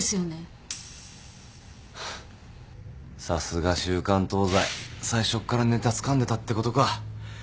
さすが『週刊東西』最初っからネタつかんでたってことか。